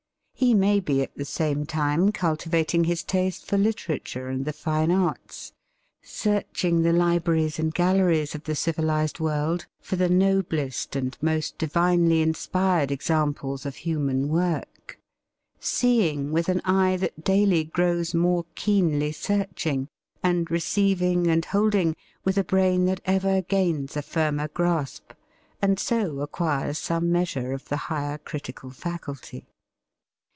He may be at the same time cultivating his taste for literature and the fine arts, searching the libraries and galleries of the civilised world for the noblest and most divinely inspired examples of human work, seeing with an eye that daily grows more keenly searching, and receiving and holding with a brain that ever gains a firmer grasp, and so acquires some measure of the higher critical faculty.